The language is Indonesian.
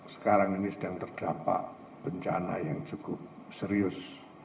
sekarang ini sedang terdampak bencana yang cukup serius